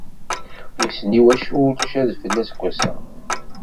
Wissen iwacu ulac adfel aseggas-a?